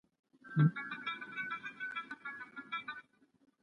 مفهوم دا و چې ښه عمل د نورو په وړاندې عملي کړه.